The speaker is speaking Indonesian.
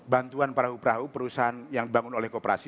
bantuan perahu perahu perusahaan yang dibangun oleh kooperasi